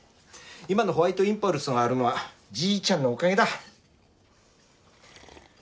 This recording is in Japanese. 今のホワイトインパルスがあるのはじいちゃんのおかげだ。